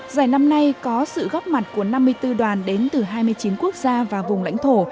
giải năm nay có sự góp mặt của năm mươi bốn đoàn đến từ hai mươi chín quốc gia và vùng lãnh thổ